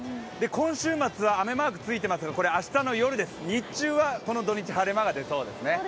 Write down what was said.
今週末、雨マークがついていますが明日の夜です、日中はこの土日、晴れ間が出そうですね。